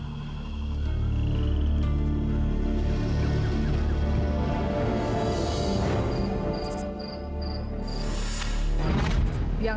banyak yang dibuang